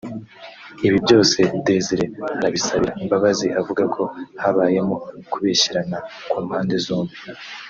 ibi byose Desire arabisabira imbabazi avugako habayemo kubeshyerana ku mpande zombi